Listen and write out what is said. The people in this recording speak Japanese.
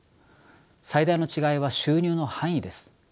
最大の違いは収入の範囲です。